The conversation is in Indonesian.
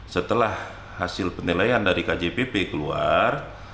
setelah hasil penilaian dari kjpp keluar